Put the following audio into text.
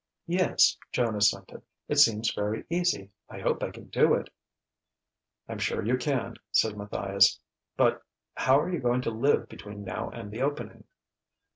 "Yes," Joan assented. "It seems very easy. I hope I can do it." "I'm sure you can," said Matthias. "But how are you going to live between now and the opening?"